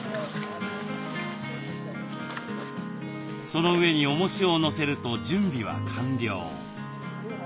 その上におもしを載せると準備は完了。